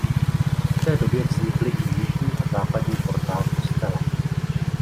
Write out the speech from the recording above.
V té době vznikly i jižní a západní portál kostela.